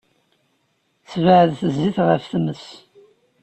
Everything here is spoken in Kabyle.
Sbeɛdet zzit ɣef tmes.